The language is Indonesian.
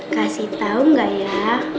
kasih tau ga ya